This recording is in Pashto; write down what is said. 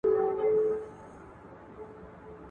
خلګ له خپلو شته وسایلو څخه ګټه اخلي.